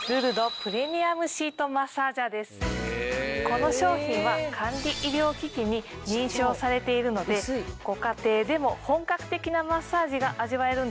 この商品は管理医療機器に認証されているのでご家庭でも本格的なマッサージが味わえるんですよ。